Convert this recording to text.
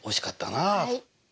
はい。